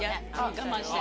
我慢してた。